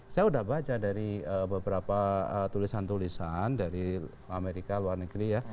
saya sudah baca dari beberapa tulisan tulisan dari amerika luar negeri ya